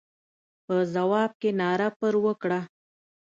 په ځواب کې ناره پر وکړه.